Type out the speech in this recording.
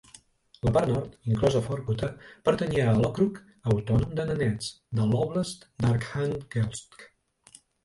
La part nord, inclosa Vorkuta, pertanyia a l'ókrug autònom de Nenets, de l'óblast d'Arkhangelsk.